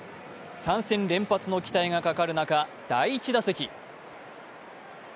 ３戦連発の期待がかかる中、第１打席。